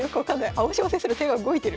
青嶋先生の手が動いてる。